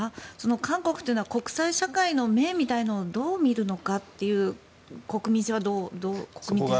韓国というのは国際社会の目みたいのをどう見るのかという国民性はどう見ていますか。